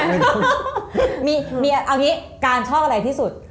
เอางี้การชอบอะไรที่สุด